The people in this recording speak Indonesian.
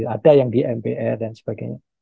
ada yang di mpr dan sebagainya